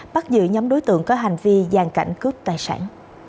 bắt giữ nhóm đối tượng có hành vi gian cảnh cướp tài sản